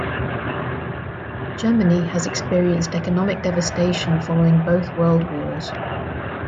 Germany has experienced economic devastation following both World Wars.